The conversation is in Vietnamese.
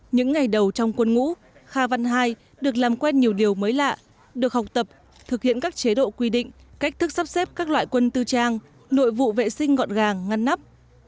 những ngày đầu trong quân ngũ kha văn hai được làm quen nhiều điều mới lạ được học tập thực hiện các chế độ quy định cách thức sắp xếp các loại quân tư trang nội vụ vệ sinh gọn gàng ngăn nắp